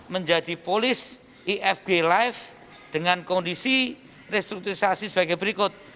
menjadi polis ifg live dengan kondisi restrukturisasi sebagai berikut